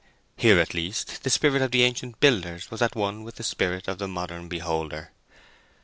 Here at least the spirit of the ancient builders was at one with the spirit of the modern beholder.